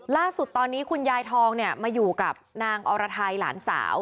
ล่าสุดตอนนี้คุณยายทองเนี่ยมาอยู่กับนางอรไทยหลานสาว